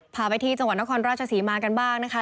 พาไปที่จังหวัดนครราชศรีมากันบ้างนะคะ